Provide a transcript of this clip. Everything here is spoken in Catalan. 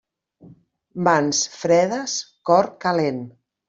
Mans fredes, cor calent.